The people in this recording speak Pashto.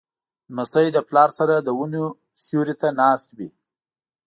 لمسی د پلار سره د ونو سیوري ته ناست وي.